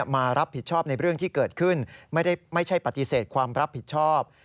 ไม่ใช่ปฏิเสธความรับผิดชอบ